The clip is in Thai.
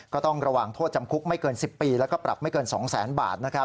ก็ต้องระวังโทษจำคุกไม่เกิน๑๐ปีแล้วก็ปรับไม่เกิน๒๐๐๐๐บาท